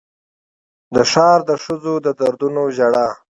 د ښار د ښځو د دردونو ژړا